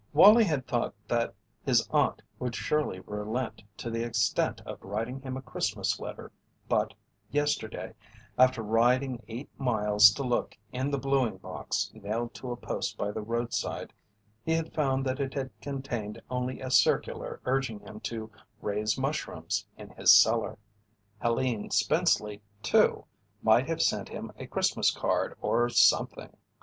Wallie had thought that his aunt would surely relent to the extent of writing him a Christmas letter but, yesterday, after riding eight miles to look in the bluing box nailed to a post by the roadside, he had found that it had contained only a circular urging him to raise mushrooms in his cellar. Helene Spenceley, too, might have sent him a Christmas card or something.